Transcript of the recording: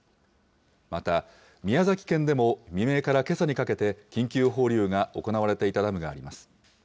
また宮崎県でも未明からけさにかけて緊急放流が行われていたダムがあります。